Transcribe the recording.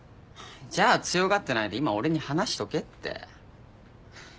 じゃあ強がってないで今俺に話しとけって。